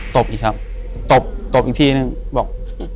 ตบอีกครับตบตบอีกทีนึงบอก